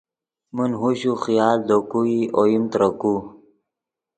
من ہوش و خیال دے کو ای اوئیم ترے کو